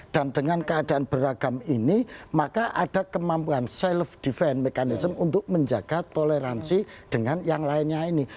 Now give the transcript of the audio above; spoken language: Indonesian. dan dengan keadaan beragam ini maka ada kemampuan self defense mechanism untuk menjaga toleransi dengan yang lainnya ini